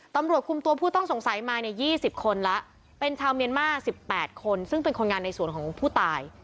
ตำรวจคุมตัวผู้ต้องสงสัยมาเนี่ย๒๐คนแล้วเป็นชาวเมียนมาร์๑๘คนซึ่งเป็นคนงานในสวนของผู้ตาย